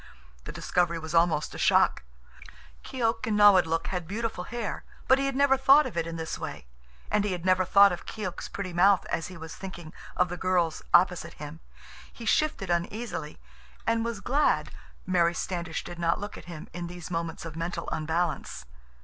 The discovery was almost a shock. Keok and Nawadlook had beautiful hair, but he had never thought of it in this way. And he had never thought of Keok's pretty mouth as he was thinking of the girl's opposite him. He shifted uneasily and was glad Mary Standish did not look at him in these moments of mental unbalance.